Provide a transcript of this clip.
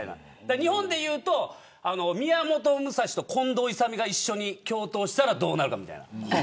日本でいうと宮本武蔵と近藤勇が一緒に共闘したらどうなるかみたいな。